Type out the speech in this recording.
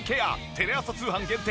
テレ朝通販限定